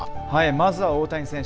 まずは大谷選手